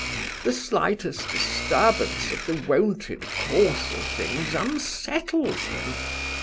The slightest disturbance of the wonted course of things unsettles him.